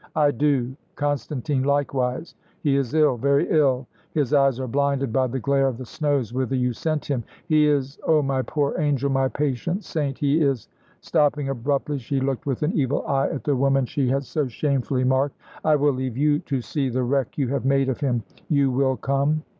"I do Constantine likewise. He is ill very ill; his eyes are blinded by the glare of the snows whither you sent him; he is oh, my poor angel, my patient saint! he is " Stopping abruptly, she looked with an evil eye at the woman she had so shamefully marked. "I will leave you to see the wreck you have made of him. You will come?"